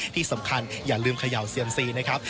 ที่สำคัญอย่าลืมเขย่าเซียมซีนะครับ